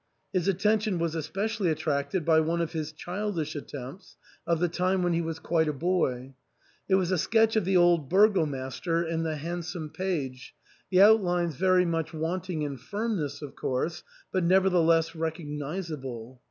His attention was especially attracted by one of his childish attempts, of the time when he was quite a boy ; it was a sketch of the old burgomaster and the handsome page, the outlines very much wanting in firmness, of course, but nevertheless recognisable.